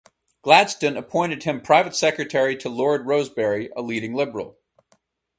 Gladston appointed him private secretary to Lord Rosebery, a leading Liberal.